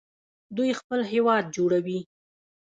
دوی خپل هیواد جوړوي.